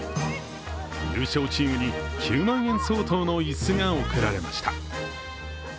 優勝チームに９万円相当の椅子が贈られました。